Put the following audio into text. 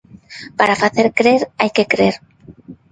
Para facer crer, hai que crer.